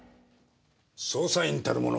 捜査員たるもの